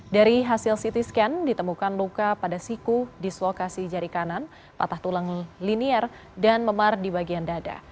dari hasil ct scan ditemukan luka pada siku di selokasi jari kanan patah tulang linier dan memar di bagian dada